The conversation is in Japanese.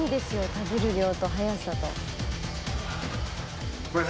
食べる量と速さと。